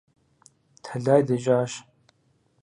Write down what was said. Тэлай дэкӀащ.